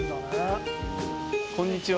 こんにちは。